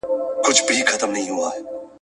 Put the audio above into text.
په مزل کې د پښو پړسوب نه پاتې کېږي.